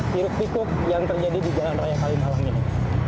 hirup pikuk yang terjadi di jalan raya kalimalang ini